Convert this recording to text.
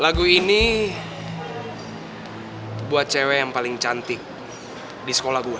lagu ini buat cewek yang paling cantik di sekolah gue